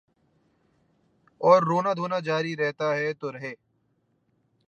اوررونا دھونا جاری رہتاہے تو رہے۔